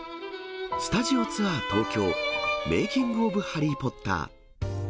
スタジオツアー東京、メイキング・オブ・ハリー・ポッター。